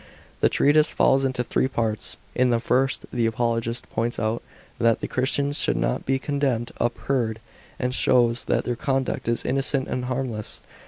'5 The treatise falls into three parts. In the first, the apologist points out that the Christians should not be condemned unheard, and shows that their conduct is innocent and harmless.